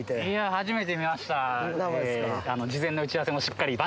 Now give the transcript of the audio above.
初めて見ました。